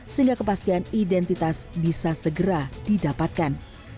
sehingga kepastian identitas bisa segera didapatkan